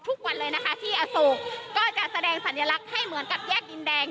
ทุกวันเลยนะคะที่อโศกก็จะแสดงสัญลักษณ์ให้เหมือนกับแยกดินแดง